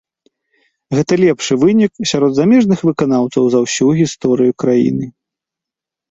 Гэта лепшы вынік сярод замежных выканаўцаў за ўсю гісторыю краіны.